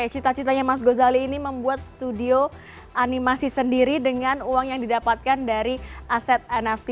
cita citanya mas gozali ini membuat studio animasi sendiri dengan uang yang didapatkan dari aset nft